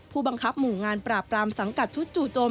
ผู้บังคับหมู่งานปราบปรามสังกัดชุดจู่โจม